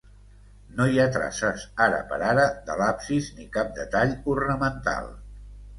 No hi ha traces, ara per ara, de l'absis ni cap detall ornamental.